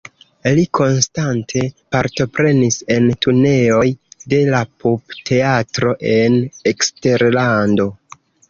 Li konstante partoprenis en turneoj de la Pupteatro en eksterlando.